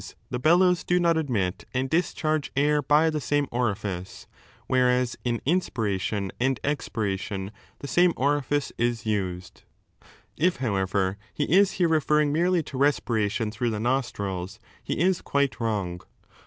the bellows do not admit and discharge air by the same orifice, whereas in inspiration and expira tion the same orifice is used. If, however, he is here 8 referring merely to respiration through the nostrils, he is quite wrong.